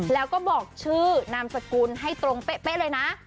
แล้วก็บอกชื่อนามสกุลให้ตรงเป๊ะเลยนะ